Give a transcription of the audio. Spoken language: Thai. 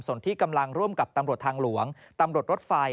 ส่วนที่กำลังร่วมกับตำรวจทางหลวงตำรวจรถไฟ